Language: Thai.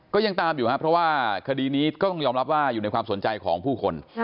ก็ยังตามอยู่ครับเพราะว่าคดีนี้ก็ต้องยอมรับว่าอยู่ในความสนใจของผู้คน